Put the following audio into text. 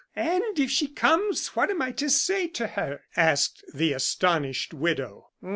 "And if she comes what am I to say to her?" asked the astonished widow.